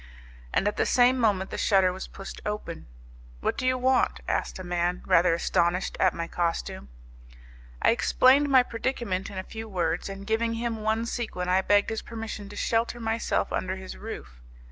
And at the same moment the shutter was pushed open. "What do you want?" asked a man, rather astonished at my costume. I explained my predicament in a few words, and giving him one sequin I begged his permission to shelter myself under his roof.